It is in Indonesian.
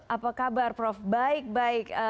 apa kabar prof baik baik